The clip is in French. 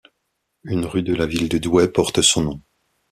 Une rue de la ville de Douai porte son nom.